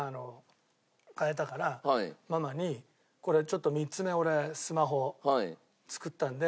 変えたからママに「これちょっと３つ目俺スマホ作ったんで」。